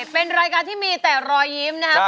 เป็นรายการที่มีแต่รอยยิ้มนะครับ